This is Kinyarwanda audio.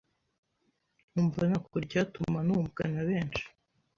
nkumva nakora icyatuma numvwa nabenshi